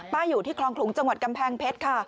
อยู่ที่คลองขลุงจังหวัดกำแพงเพชรค่ะ